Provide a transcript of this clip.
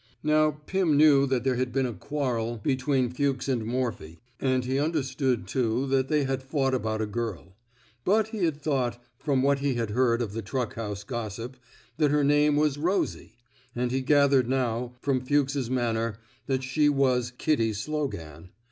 Now Pim knew that there had been a quarrel between Fuchs and Morphy: and he understood, too, that they had fought about a girl. But he had thought, from what he had heard of the truck house gossip, that her name was Rosie;" and he gath ered now, from Fuchs 's manner, that she was ^^ Kitty Slogan."